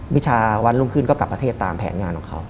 วิชาวันรุ่งขึ้นก็กลับประเทศตามแผนงานของเขา